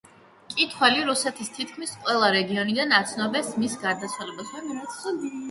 მკითხველი რუსეთის თითქმის ყველა რეგიონიდან აცნობეს მის გარდაცვალებას.